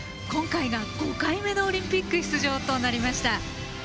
今回が５回目のオリンピック出場となりました。